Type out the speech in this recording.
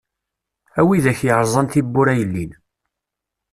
A widak yeṛẓan tibbura yellin.